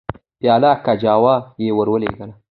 پیلو کجاوه یې ورولېږله.